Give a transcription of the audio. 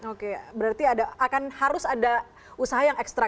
oke berarti akan harus ada usaha yang ekstra